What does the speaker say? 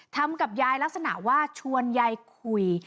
ทำกับยายลักษณะว่าชวนยายคุย